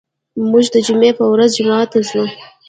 موږ د جمعې په ورځ جومات ته ځو.